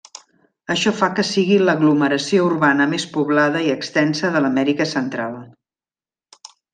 Això fa que sigui l'aglomeració urbana més poblada i extensa de l'Amèrica Central.